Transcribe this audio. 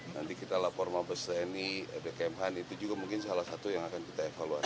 nanti kita lapor mabes tni bkmhan itu juga mungkin salah satu yang akan kita evaluasi